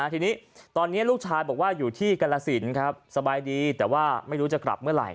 ทีนี้ตอนนี้ลูกชายบอกว่าอยู่ที่กรสินครับสบายดีแต่ว่าไม่รู้จะกลับเมื่อไหร